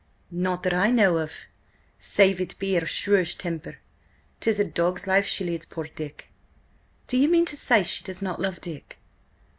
"Nought that I know of, save it be her shrewish temper. 'Tis a dog's life she leads poor Dick." "Do you mean to say she does not love Dick?"